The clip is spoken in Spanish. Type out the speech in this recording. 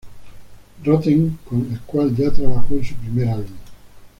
Rotem, con el cual ya trabajó en su primer álbum.